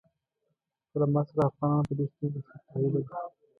له ما سره افغانان په دې ستونزه ښه پوهېدل.